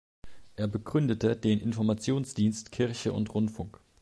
Er begründete den Informationsdienst "Kirche und Rundfunk".